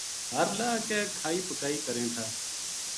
بھار لاہ کے کھائی پکائی کریں تھا